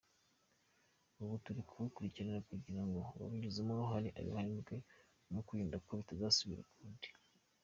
Ubu turi kubikurikirana kugira ngo uwabigizemo uruhare abihanirwe no kwirinda ko bitazasubira ukundi.